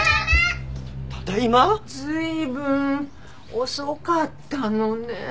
随分遅かったのねえ。